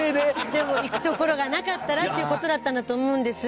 でも行く所がなかったらっていう事だったんだと思うんです。